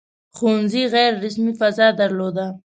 • ښوونځي غیر رسمي فضا درلوده.